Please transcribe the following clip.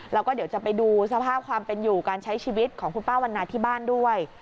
แล้วก็เดี๋ยวจะไปดูสภาพความเป็นอยู่การใช้ชีวิตของคุณป้าวันนาที่บ้านด้วย